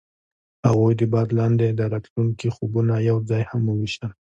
هغوی د باد لاندې د راتلونکي خوبونه یوځای هم وویشل.